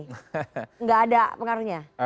tidak ada pengaruhnya